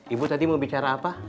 ibu tadi mau bicara apa